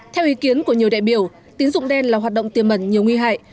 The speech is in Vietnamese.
theo ý kiến của nhiều đại biểu tín dụng đen là hoạt động tiềm mẩn nhiều nguy hại